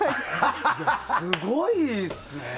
いや、すごいですね。